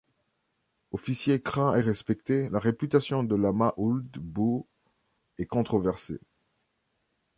Officier craint et respecté, la réputation de Lamana Ould Bou est controversée.